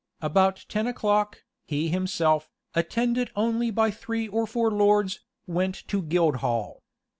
About ten o'clock, he himself, attended only by three or four lords, went to Guildhall.